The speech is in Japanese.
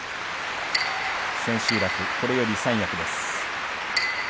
千秋楽、これより三役です。